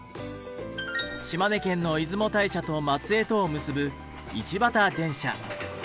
島根県の出雲大社と松江とを結ぶ